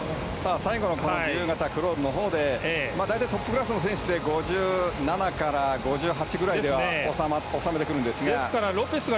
最後の自由形クロールのほうでトップクラスの選手で５７から５８ぐらいでは収めてくるんですが。